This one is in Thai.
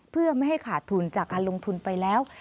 เพื่อไม่ให้ขาดทุนจากการลงทุนไปแล้ว